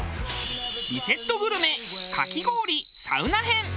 リセットグルメかき氷サウナ編。